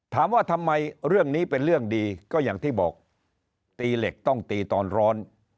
ถามว่าทำไมเรื่องนี้เป็นเรื่องดีก็อย่างที่บอกตีเหล็กต้องตีตอนร้อน